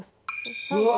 うわ！